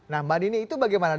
nah mbak dini itu bagaimana